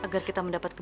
berani membakar kamu